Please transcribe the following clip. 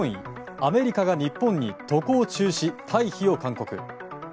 アメリカが日本に渡航中止・退避を勧告。